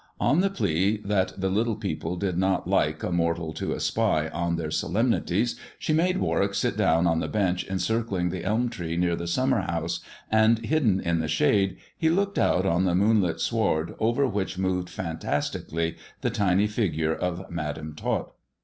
On the plea that the little people did not like a mortal I 148 THE dwarf's chamber to espy on their solemnities, she made Warwick sit down on the hench encircling the elm tree near the summer house, and hidden in the shade he looked out on the moon lit sward, over which moved fantastically the tiny figure of Madam Tot.